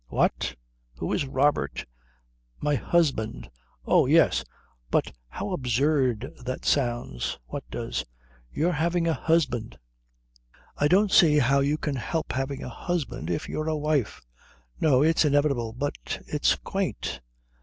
"What? Who is Robert?" "My husband." "Oh, yes. But how absurd that sounds!" "What does?" "Your having a husband." "I don't see how you can help having a husband if you're a wife." "No. It's inevitable. But it's quaint.